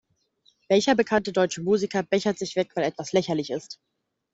Welcher bekannte deutsche Musiker bechert sich weg, weil etwas lächerlich ist?